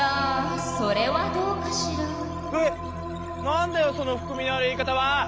なんだよそのふくみのある言い方は。